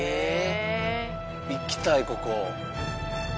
行きたいここ。